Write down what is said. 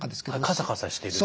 カサカサしてる。